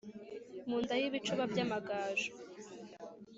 Mu nda y'ibicuba by'Amagaju.